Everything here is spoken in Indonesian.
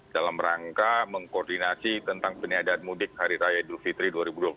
dalam rangka mengkoordinasi tentang peniadaan mudik hari raya idul fitri dua ribu dua puluh satu